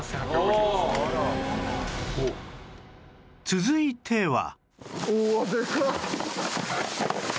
続いては